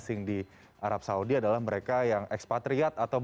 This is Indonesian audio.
kemudian yang ketiga adalah mereka yang sudah sembuh covid